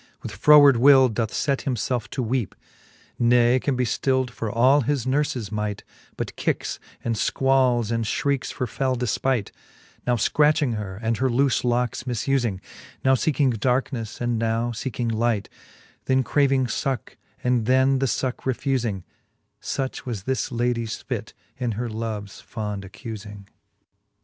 With froward will doth let himlelfe to weepe j Ne can be ftild for all his nurles might, But kicks, and Iquals, and fhriekes for fell delpightj Now Icratching her, and her loole locks mufuling j Now feeking darkenefle, and now leeking light ,* Then craving fucke, and then the fucke refufing : Such was this ladies fit, in her loves fond accufing.